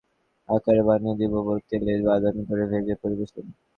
এবার চ্যাপটা গোল টিকিয়ার আকারে বানিয়ে ডুবো তেলে বাদামি করে ভেজে পরিবেশন।